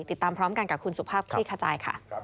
ติดตามพร้อมกันกับคุณสุภาพคลี่ขจายค่ะ